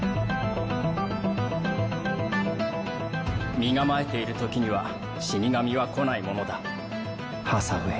身構えているときには死に神は来ないものだハサウェイ。